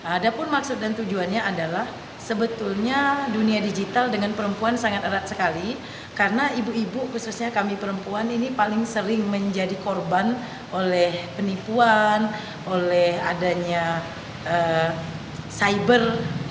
ada pun maksud dan tujuannya adalah sebetulnya dunia digital dengan perempuan sangat erat sekali karena ibu ibu khususnya kami perempuan ini paling sering menjadi korban oleh penipuan oleh adanya cyber